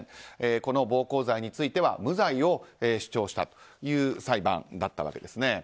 この暴行罪については無罪を主張したという裁判だったわけですね。